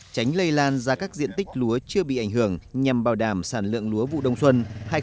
tránh lây lan ra các diện tích lúa chưa bị ảnh hưởng nhằm bảo đảm sản lượng lúa vũ đông xuân hai nghìn một mươi sáu hai nghìn một mươi bảy